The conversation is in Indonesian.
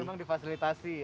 ini memang difasilitasi ya